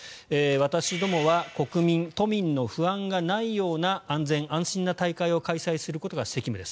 私どもは国民、都民の不安がないような安全安心な大会を開催することが責務です。